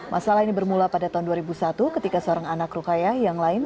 masalah ini bermula pada tahun dua ribu satu ketika seorang anak rukayah yang lain